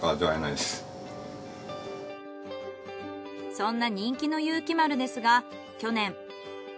そんな人気の有希丸ですが去年。